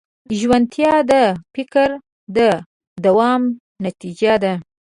ژورتیا د فکر د دوام نتیجه ده.